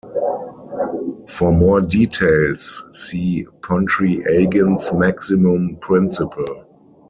For more details see Pontryagin's maximum principle.